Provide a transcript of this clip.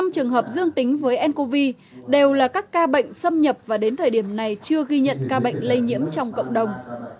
năm trường hợp dương tính với ncov đều là các ca bệnh xâm nhập và đến thời điểm này chưa ghi nhận ca bệnh lây nhiễm trong cộng đồng